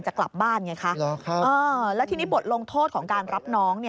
จะกลับบ้านไงคะแล้วทีนี้บทลงโทษของการรับน้อง